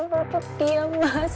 bujuk dia mas